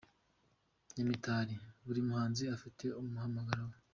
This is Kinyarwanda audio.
Nyamitari : Buri muhanzi afite umuhamagaro we.